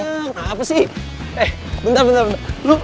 kenapa sih eh bentar bentar